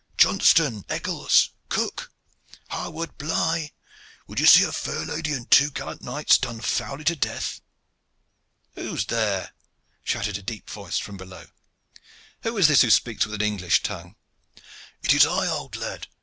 Johnston, Eccles, Cooke, Harward, Bligh! Would ye see a fair lady and two gallant knights done foully to death?" "Who is there?" shouted a deep voice from below. "Who is this who speaks with an English tongue?" "It is I, old lad.